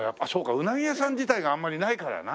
うなぎ屋さん自体があんまりないからな。